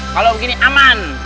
kalau begini aman